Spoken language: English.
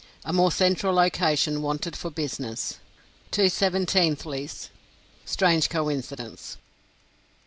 A MORE CENTRAL LOCATION WANTED FOR BUSINESS. TWO SEVENTEENTHLIES. STRANGE COINCIDENCE.